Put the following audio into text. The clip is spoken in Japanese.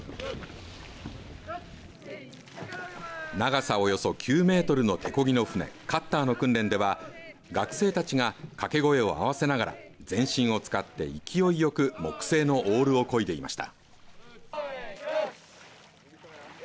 長さおよそ９メートルの手こぎの船カッターの訓練は学生たちが掛け声を合わせながら全身を使って勢いよく木製のオールをこいでいました。